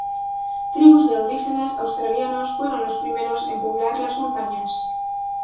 Tribus de aborígenes australianos fueron los primeros en poblar las montañas.